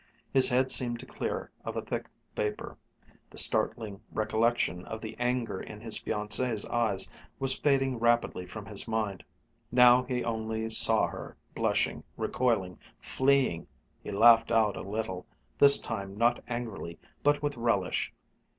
His head seemed to clear of a thick vapor. The startling recollection of the anger in his fiancée's eyes was fading rapidly from his mind. Now he only saw her, blushing, recoiling, fleeing he laughed out a little, this time not angrily, but with relish.